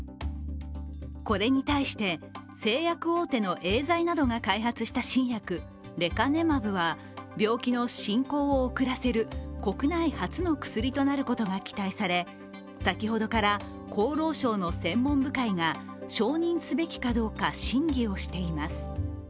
これに対して、製薬大手のエーザイなどが開発した新薬レカネマブは病気の進行を遅らせる国内初の薬となることが期待され先ほどから厚労省の専門部会が承認すべきかどうか審議をしています。